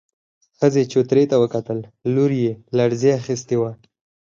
ښځې چوترې ته وکتل، لور يې لړزې اخيستې وه.